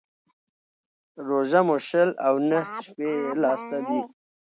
روژه مو شل او نه شپې يې لا سته دى.